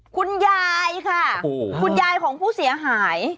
คุณยายค่ะคุณยายของผู้เสียหาย